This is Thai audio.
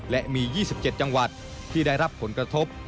และมี๒๗จังหวัดที่ได้รับผลกระทบ